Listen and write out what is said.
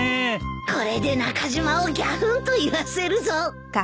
これで中島をぎゃふんと言わせるぞ！